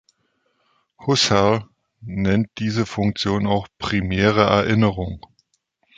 Husserl nennt diese Funktion auch „primäre Erinnerung“.